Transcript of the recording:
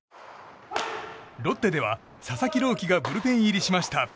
ロッテでは佐々木朗希がブルペン入りしました。